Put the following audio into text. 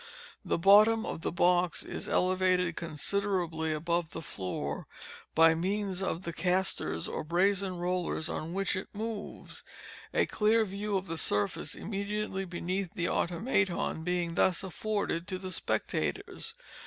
The bottom of the box is elevated considerably above the floor by means of the castors or brazen rollers on which it moves, a clear view of the surface immediately beneath the Automaton being thus afforded to the spectators.